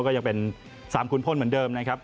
ก็ยังเป็น๓ขุนพลเหมือนเดิมนะครับ